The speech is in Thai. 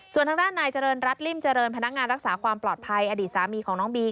ส่วนทางด้านนายเจริญรัฐริมเจริญพนักงานรักษาความปลอดภัยอดีตสามีของน้องบี